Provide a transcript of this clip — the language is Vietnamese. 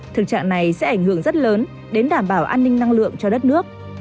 thực trạng này sẽ ảnh hưởng rất lớn đến đảm bảo an ninh năng lượng cho đất nước